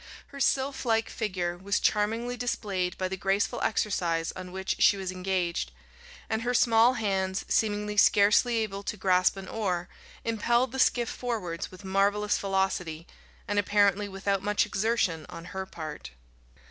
Her sylph like figure was charmingly displayed by the graceful exercise on which she was engaged, and her small hands, seemingly scarcely able to grasp an oar, impelled the skiff forwards with marvellous velocity, and apparently without much exertion on her part.